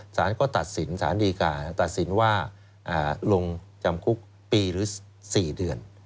สารก็ตัดสินสารดีกาตัดสินว่าลงจำคุกปีหรือ๔เดือน